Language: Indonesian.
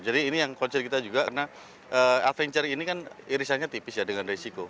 jadi ini yang concern kita juga karena adventure ini kan irisannya tipis ya dengan resiko